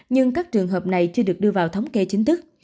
nhưng các trường hợp này chưa được đưa vào thống kê chính thức